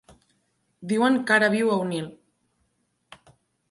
Diuen que ara viu a Onil.